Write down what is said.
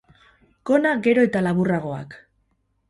Gona gero eta laburragoak.